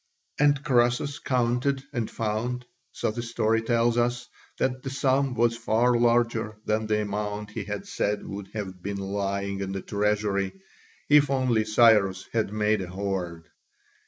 And Croesus counted, and found, so the story tells us, that the sum was far larger than the amount he had said would have been lying in the treasury if only Cyrus had made a hoard.